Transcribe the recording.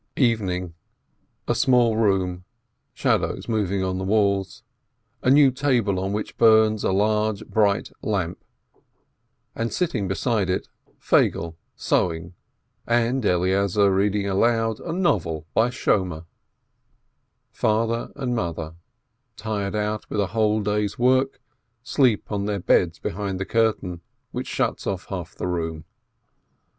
Evening : a small room, shadows moving on the walls, a new table on which burns a large, bright lamp, and sitting beside it Feigele sewing and Eleazar reading aloud a novel by Shomer. Father and mother, tired out with a whole day's work, sleep on their beds behind the curtain, which shuts off half the room.